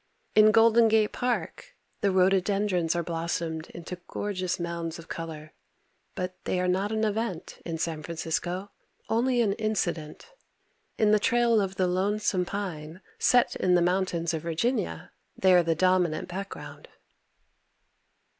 In Golden Gate Park the rhododendrons are blossomed into gorgeous mounds of color but they are not an event in San Francisco, only an incident. In "The Trail of the Lonesome Pine" set in the mountains of Virginia, they are the dominant background.